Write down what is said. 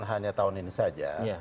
hanya tahun ini saja